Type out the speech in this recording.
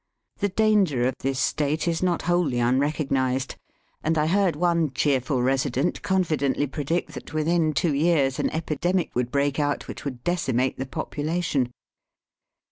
The danger of this state is not wholly unrecog nized, and I heard one cheerful resident con fidently predict that within two years an epidemic would break out, which would deci mate the population.